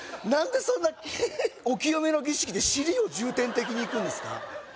何でそんなお清めの儀式で尻を重点的にいくんですか？